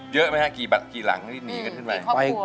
เยอะไหมครับกี่หลังหนีขึ้นไป